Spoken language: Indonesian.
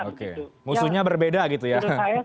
oke musuhnya berbeda gitu ya